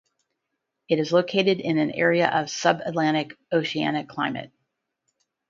It is located in an area of subatlantic oceanic climate.